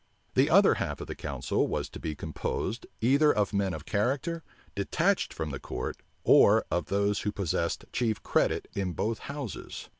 The other half of the council was to be composed, either of men of character, detached from the court, or of those who possessed chief credit in both houses.